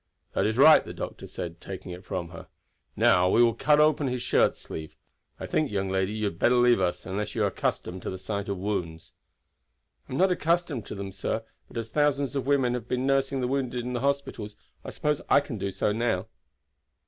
"That is right," the doctor said, taking it from her. "Now we will cut open the shirt sleeve. I think, young lady, you had better leave us, unless you are accustomed to the sight of wounds." "I am not accustomed to them, sir; but as thousands of women have been nursing the wounded in the hospitals, I suppose I can do so now."